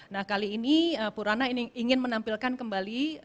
nah kali ini purana ingin menampilkan kembali